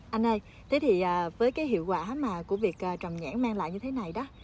anh ơi thế thì với cái hiệu quả mà của việc trồng nhãn mang lại như thế này đó